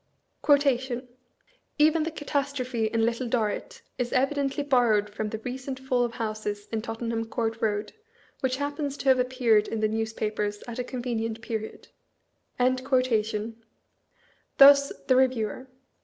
"Even the catastrophe in 'Little Dorrit' is evidently borrowed from the recent fall of houses in Tottenham Court Road, which happens to have appeared in the newspapers at a convenient period." Thus, the Eeviewer.